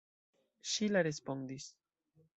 Ŝila respondis.